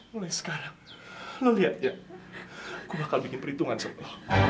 mulai sekarang lo lihat ya gue bakal bikin perhitungan sama lo